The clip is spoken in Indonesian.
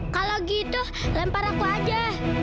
kalau gitu lempar aku aja